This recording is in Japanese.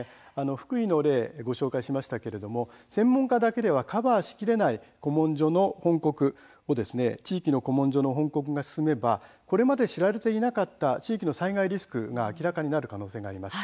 福井の例を紹介しましたが専門家だけではカバーしきれない地域の古文書の翻刻が進めばこれまで知られていなかった地域の被害が分かる可能性があります。